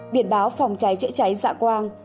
biển báo phòng cháy chữa cháy dạ quang